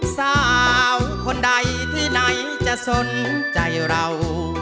สาวคนใดที่ไหนจะสนใจเรา